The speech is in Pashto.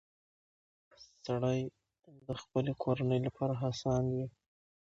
سړی د خپلې کورنۍ لپاره هڅاند وي